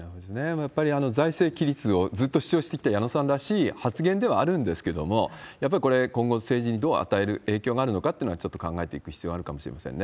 やっぱり財政規律をずっと主張してきた矢野さんらしい発言ではあるんですけれども、やっぱりこれ、今後の政治にどう影響があるのかっていうのは、ちょっと考えていく必要があるかもしれませんね。